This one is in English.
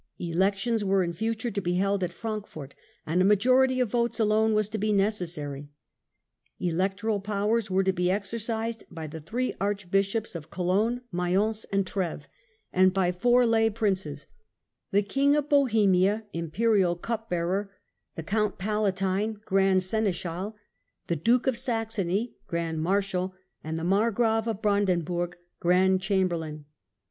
Elections were in future to be held at Frankfort, and a majority of votes alone was to be necessary. Electoral powers were to be exercised by the three Archbishops, of Cologne, Mayence and Treves ; and by four lay Princes — the King of Bohemia, Imperial cup bearer ; the Count Palatine, Grand Seneschal ; the Duke of Saxony, Grand Marshal ; and the Margrave of Brandenburg, Grand Chamberlain.